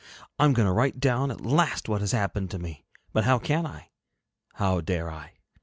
I am going to write down at last what has happened to me. But how can I? How dare I?